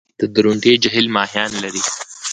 د درونټې جهیل ماهیان لري؟